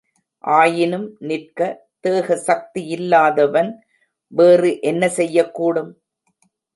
ஆயினும் நிற்க தேக சக்தியில்லாதவன் வேறு என்ன செய்யக்கூடும்?